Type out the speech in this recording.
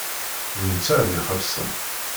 D netta ad ixellṣen.